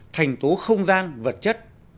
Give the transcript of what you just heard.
thành tố không gian vật chất